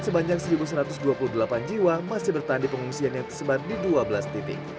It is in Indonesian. sebanyak satu satu ratus dua puluh delapan jiwa masih bertahan di pengungsian yang tersebar di dua belas titik